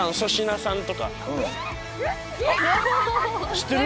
知ってる？